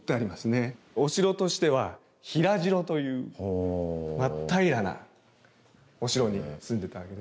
お城としては平城という真っ平らなお城に住んでたわけですね。